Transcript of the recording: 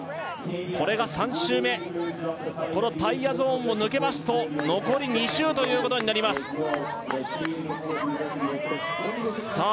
これが３周目このタイヤゾーンを抜けますと残り２周ということになりますさあ